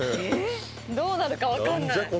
どうなるか分かんない何じゃ？